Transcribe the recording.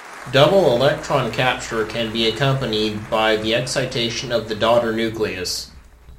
Double electron capture can be accompanied by the excitation of the daughter nucleus.